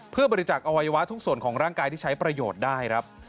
เพื่อบริจักษ์อวัยวะทุกส่วนของร่างกายที่ใช้ประโยชน์ได้ครับ